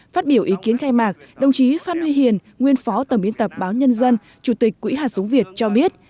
phát biểu ý kiến khai mạc đồng chí phan huy hiền nguyên phó tổng biên tập báo nhân dân chủ tịch quỹ hạt giống việt cho biết